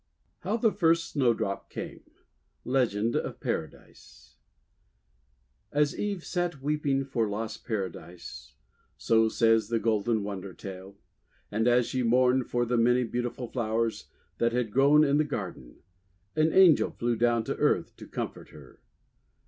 HOW THE FIRST SNOWDROP CAME Legend of Paradise As Eve sat weeping for lost Paradise, so says the golden wonder tale, and as she mourned for the many beautiful flowers that had grown in the Garden, an Angel flew down to Earth to comfort her.